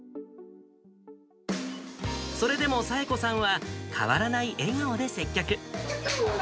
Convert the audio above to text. それでも、紗恵子さんは変わらない笑顔で接客。